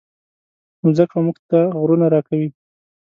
مځکه موږ ته غرونه راکوي.